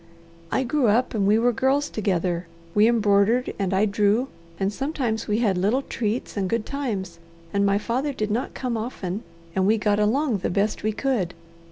"I grew up and we were girls together. We embroidered, and I drew, and sometimes we had little treats and good times, and my father did not come often, and we got along the best we could.